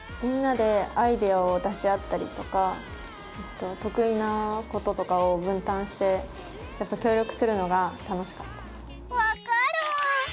みんなでアイデアを出し合ったりとか得意なこととかを分担して協力するのが楽しかったです。